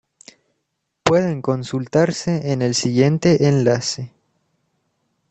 Pueden consultarse en el siguiente enlace